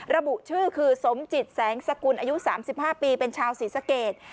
ระบุชื่อคือสมจิตแสงสกุลอายุ๓๕ปีเป็นชาวศรีสะเกด